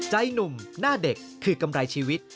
ใจหนุ่มหน้าเด็กคือกำไรชีวิต